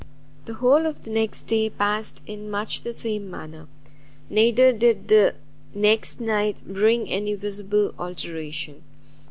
The whole of the next day passed in much the same manner, neither did the next night bring any visible alteration.